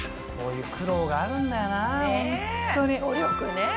こういう苦労があるんだよな。